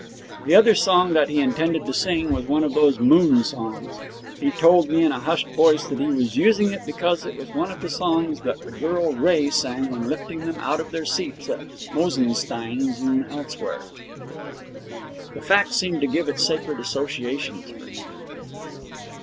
The other song that he intended to sing was one of those moon songs. He told me in a hushed voice that he was using it because it was one of the songs that the girl Ray sang when lifting them out of their seats at Mosenstein's and elsewhere. The fact seemed to give it sacred associations for him.